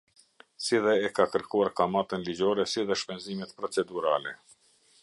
Si dhe e ka kërkuar kamatën ligjore si dhe shpenzimet procedurale.